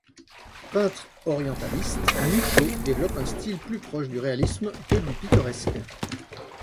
Peintre orientaliste, Mouchot développe un style plus proche du réalisme que du pittoresque.